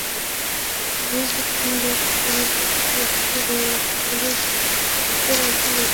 নিহত তিন ব্যক্তির পরিবারের সদস্য এবং এলাকার মানুষ এতে অংশ নেন।